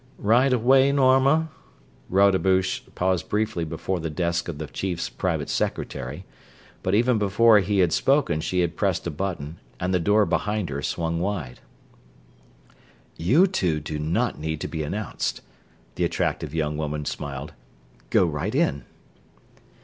"Right of way, Norma?" Rodebush paused briefly before the desk of the Chief's private secretary; but even before he had spoken she had pressed a button and the door behind her swung wide. "You two do not need to be announced," the attractive young woman smiled. "Go right in."